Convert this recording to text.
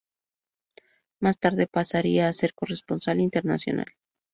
Más tarde pasaría a ser Corresponsal internacional.